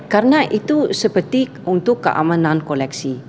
karena itu seperti untuk keamanan koleksi